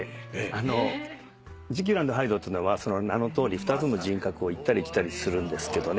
『ジキル＆ハイド』っていうのはその名のとおり２つの人格をいったりきたりするんですけどね。